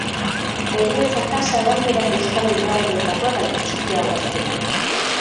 Heriotza-tasa gainerako euskal lurraldeetakoa baino txikiagoa zen